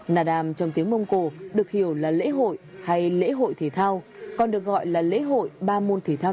nà đàm trong tiếng mông cổ được hiểu là lễ hội hay lễ hội thể thao còn được gọi là lễ hội ba môn thể thao